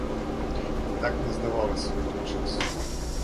Так мне здавалася ў той час.